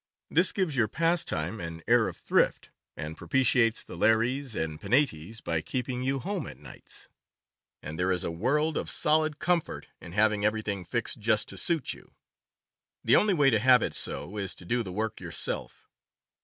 This gives your pastime an air of thrift, and propitiates the Lares and Penates by keeping you home o' nights. And there is a world of solid comfort in having everything fixed just to suit you. The only way to have it so is to do the work yourself.